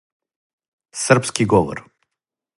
српски говор